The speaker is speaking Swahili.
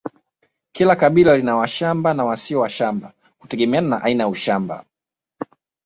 Kila kabila lina washamba na wasio washamba kutegemeana na aina ya ushamba